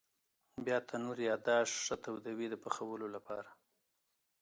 بیا تنور یا داش ښه تودوي د پخولو لپاره.